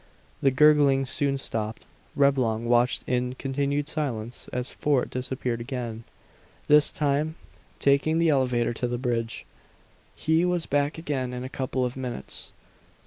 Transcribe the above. The gurgling soon stopped. Reblong watched in continued silence as Fort disappeared again, this time taking the elevator to the bridge. He was back again in a couple of minutes.